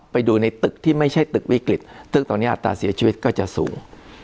ไปดูในตึกที่ไม่ใช่ตึกวิกฤตตึกตอนนี้อัตราเสียชีวิตก็จะสูง